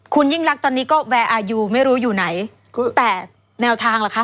คุณยิ่งรักตอนนี้ก็แวร์อายุไม่รู้อยู่ไหนแต่แนวทางล่ะคะ